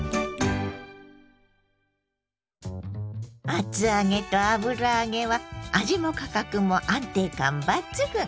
厚揚げと油揚げは味も価格も安定感抜群！